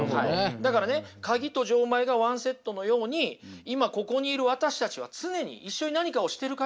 だからねカギと錠前がワンセットのように今ここにいる私たちは常に一緒に何かをしている限りひとつなんですよ。